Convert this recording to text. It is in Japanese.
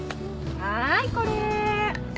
はいこれ。